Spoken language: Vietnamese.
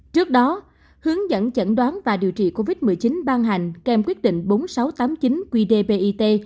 trước đó hướng dẫn chẩn đoán và điều trị covid một mươi chín ban hành kèm quyết định bốn nghìn sáu trăm tám mươi chín quy đề bit